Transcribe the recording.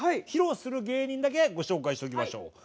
披露する芸人だけご紹介しておきましょう。